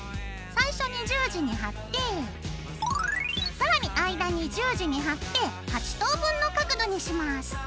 最初に十字に貼って更に間に十字に貼って８等分の角度にします。